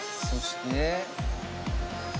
そして。